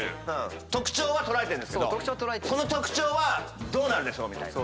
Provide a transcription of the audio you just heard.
特徴は捉えてるんですけどその特徴はどうなるでしょうみたいな。